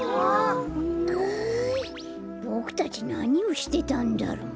ボクたちなにをしてたんだろう？